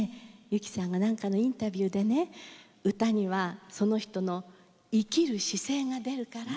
由紀さんが何かのインタビューでね「歌にはその人の生きる姿勢が出るから」